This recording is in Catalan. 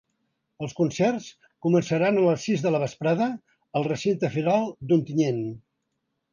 Els concerts començaran a les sis de la vesprada al recinte firal d’Ontinyent.